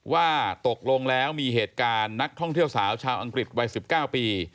ว่าตกลงแล้วมีเหตุการณ์นักท่องเที่ยวสาวชาวอังกฤษวัย๑๙ปี